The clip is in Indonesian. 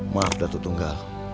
maaf datuk tunggal